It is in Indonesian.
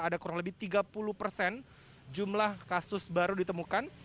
ada kurang lebih tiga puluh persen jumlah kasus baru ditemukan